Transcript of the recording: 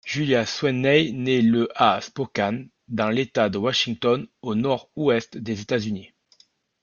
Julia Sweeney nait le à Spokane dans l'État de Washington au nord-ouest des États-Unis.